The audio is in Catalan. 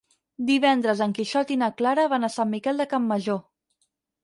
Divendres en Quixot i na Clara van a Sant Miquel de Campmajor.